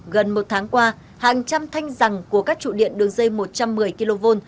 gần một tháng qua hàng trăm thanh rằng của các trụ điện đường dây một trăm một mươi kv